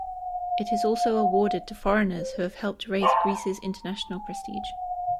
It is also awarded to foreigners who have helped raise Greece's international prestige.